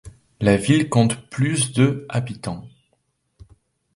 La ville compte plus de habitants.